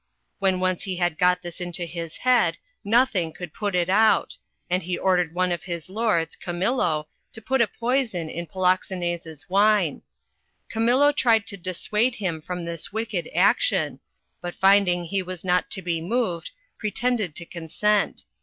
When once he had got this into his head, nothing could put it out; and he ordered one of his lords, Camillo, to put a noison in Polixenes' wine. Camillo tried to dissuade him from this wicked action, but finding he was not to be moved, pre tended to consent.